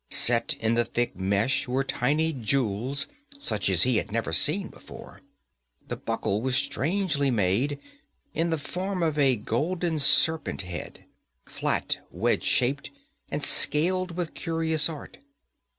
Set in the thick mesh were tiny jewels such as he had never seen before. The buckle was strangely made, in the form of a golden serpent head, flat, wedge shaped and scaled with curious art.